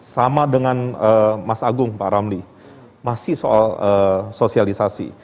sama dengan mas agung pak ramli masih soal sosialisasi